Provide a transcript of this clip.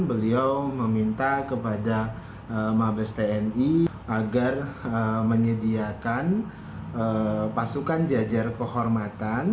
beliau meminta kepada mabes tni agar menyediakan pasukan jajar kehormatan